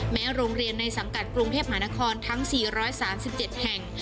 โรงเรียนในสังกัดกรุงเทพมหานครทั้ง๔๓๗แห่ง